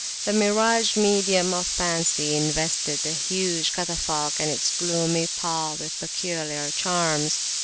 The mirage medium of Fancy invested the [p.161] huge catafalque and its gloomy pall with peculiar charms.